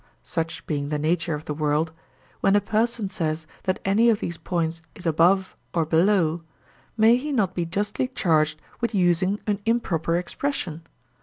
Such being the nature of the world, when a person says that any of these points is above or below, may he not be justly charged with using an improper expression?